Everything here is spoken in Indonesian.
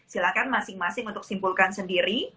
silahkan masing masing untuk simpulkan sendiri